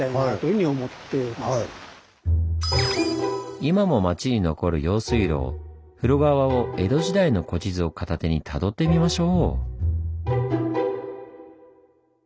今も町に残る用水路風呂川を江戸時代の古地図を片手にたどってみましょう！